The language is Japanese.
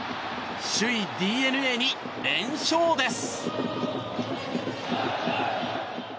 首位ＤｅＮＡに連勝です。